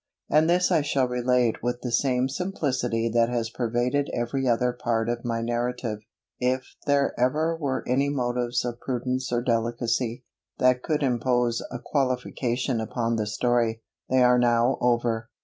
And this I shall relate with the same simplicity that has pervaded every other part of my narrative. If there ever were any motives of prudence or delicacy, that could impose a qualification upon the story, they are now over.